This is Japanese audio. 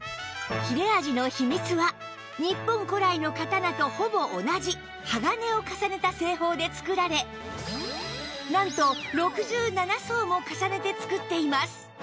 切れ味の秘密は日本古来の刀とほぼ同じ鋼を重ねた製法で作られなんと６７層も重ねて作っています